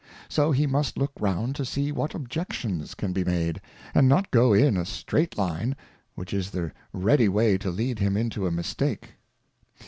So he must look round to see what Objections can be made, and not go on in a streight Line, which is the ready way to lead him into a mistake.